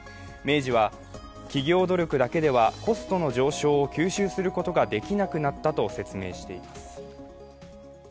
明治は企業努力だけではコストの上昇を吸収することができなくなったと説明しています。